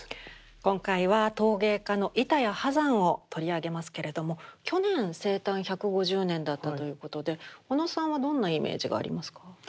今回は陶芸家の板谷波山を取り上げますけれども去年生誕１５０年だったということで小野さんはどんなイメージがありますか？